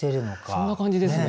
そんな感じですよね。